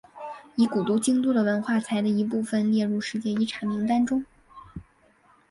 以古都京都的文化财的一部份列入世界遗产名单中。